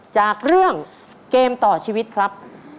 จากเรื่องเกมต่อชีวิตครับ